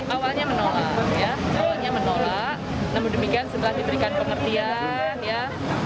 awalnya menolak namun demikian setelah diberikan pengertian